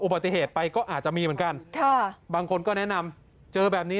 ปฏิเหตุไปก็อาจจะมีเหมือนกันค่ะบางคนก็แนะนำเจอแบบนี้